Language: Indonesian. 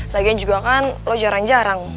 lagian juga kan lo jarang jarang